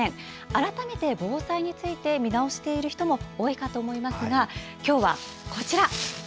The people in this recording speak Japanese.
改めて防災について見直している人も多いかと思いますが今日はこちら。